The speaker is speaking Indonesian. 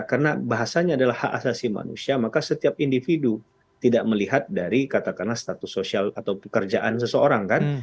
karena bahasanya adalah hak asasi manusia maka setiap individu tidak melihat dari katakanlah status sosial atau pekerjaan seseorang kan